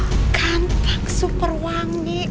oh kantang super wangi super keren super yang punya mobil kencang